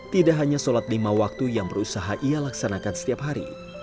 tidak hanya sholat lima waktu yang berusaha ia laksanakan setiap hari